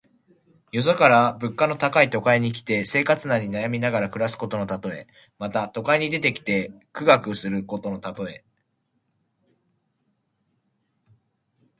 よそから物価の高い都会に来て、生活難に悩みながら暮らすことのたとえ。また、都会に出てきて苦学することのたとえ。